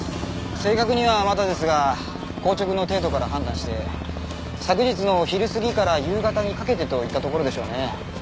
正確にはまだですが硬直の程度から判断して昨日の昼過ぎから夕方にかけてといったところでしょうね。